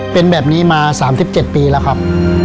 เป็นแบบนี้มา๓๗ปีแล้วครับ